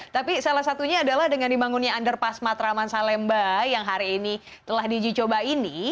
tapi salah satunya adalah dengan dibangunnya underpass matraman salemba yang hari ini telah diuji coba ini